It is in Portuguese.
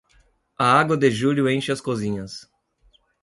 A água de julho enche as cozinhas.